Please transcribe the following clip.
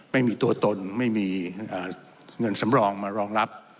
ไม่มีตัวตนไม่มีเงินสำรองมารองรับ